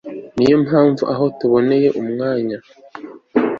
ni yo mpamvu, aho tuboneye umwanya